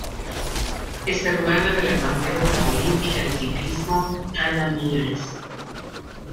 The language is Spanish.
Es hermana de la campeona olímpica en ciclismo Anna Meares.